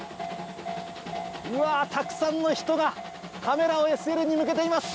うわたくさんの人がカメラをＳＬに向けています。